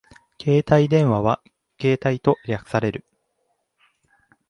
携帯電話はケータイと略される